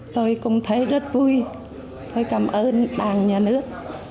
tôi cũng thấy rất vui tôi cảm ơn đảng nhà nước